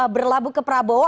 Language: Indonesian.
berlabuh ke prabowo